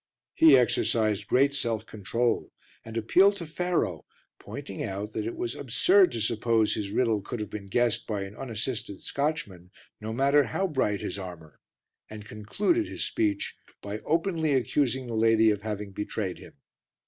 He exercised great self control and appealed to Pharaoh, pointing out that it was absurd to suppose his riddle could have been guessed by an unassisted Scotchman, no matter how bright his armour, and concluded his speech by openly accusing the lady of having betrayed him.